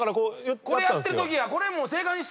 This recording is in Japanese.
これやってるときや！